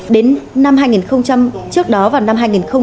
đến năm hai nghìn trước đó vào năm hai nghìn một mươi tám